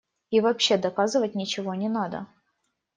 И вообще доказывать ничего не надо.